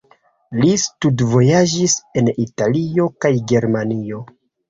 Li studvojaĝis en Italio kaj Germanio.